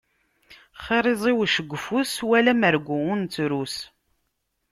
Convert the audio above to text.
Xir iẓiwec deg ufus, wala amergu ur nettrus.